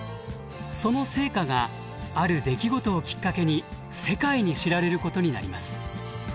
その成果がある出来事をきっかけに世界に知られることになります。